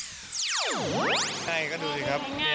ใช่ก็ดูสิครับ